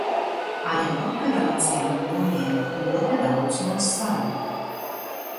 Arī operācija man noņēma ļoti daudz no svara.